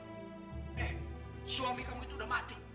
eh suami kamu itu udah mati